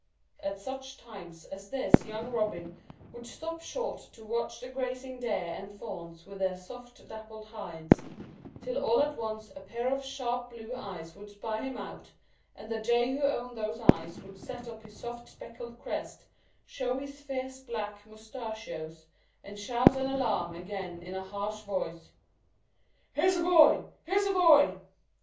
At such times as this young Robin would stop short to watch the grazing deer and fawns with their softly dappled hides, till all at once a pair of sharp blue eyes would spy him out, and the jay who owned those eyes would set up his soft speckled crest, show his fierce black moustachios, and shout an alarm again in a harsh voice "Here's a boy! here's a boy!"